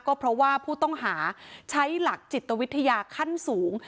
ก็เพราะว่าผู้ต้องหาใช้หลักจิตวิทยาขั้นสูง